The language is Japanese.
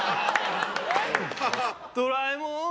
ドラえもん